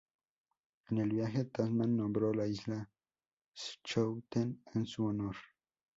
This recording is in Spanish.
En el viaje, Tasman nombró la Isla Schouten en su honor.